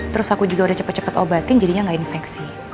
terus aku juga udah cepet cepet obatin jadinya nggak infeksi